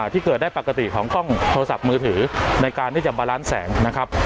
ที่เกิดได้ปกติของกล้องโทรศัพท์มือถือในการที่จะบาร้านแสงนะครับ